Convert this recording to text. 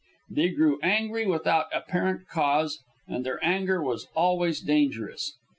They grew angry without apparent cause, and their anger was always dangerous.